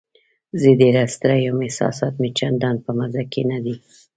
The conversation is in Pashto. زه ډېره ستړې یم، احساسات مې چندان په مزه کې نه دي.